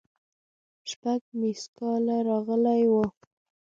شپږ ميسکاله راغلي وو.